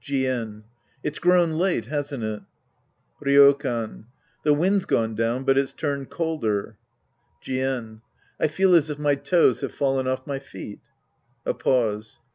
Jien. It's grown late, hasn't it ? Rydkan. The wind's gone down, but it's turned colder. Jien. I feel as if my toes have fallen off my feet. {A pause.)